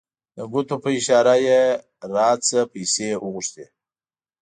د ګوتو په اشاره یې رانه پیسې وغوښتې.